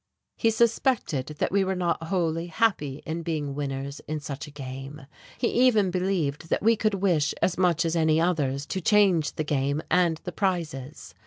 He suspected that we were not wholly happy in being winners in such a game, he even believed that we could wish as much as any others to change the game and the prizes.